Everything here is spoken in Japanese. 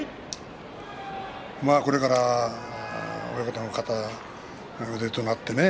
これから親方の片腕となってね。